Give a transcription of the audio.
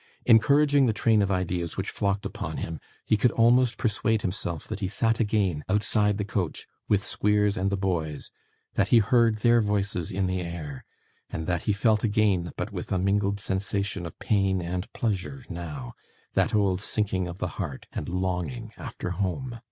Encouraging the train of ideas which flocked upon him, he could almost persuade himself that he sat again outside the coach, with Squeers and the boys; that he heard their voices in the air; and that he felt again, but with a mingled sensation of pain and pleasure now, that old sinking of the heart, and longing after home.